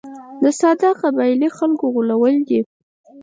د ساده قبایلي خلکو غولول دي.